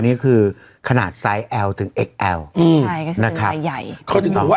ก็คือขนาดแอลถึงเอี๊เอลใช่ก็คือจะใหญ่เขาถึงคือว่า